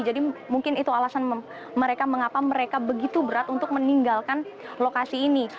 jadi mungkin itu alasan mengapa mereka begitu berat untuk meninggalkan lokasi ini